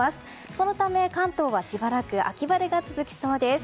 そのため、関東はしばらく秋晴れが続きそうです。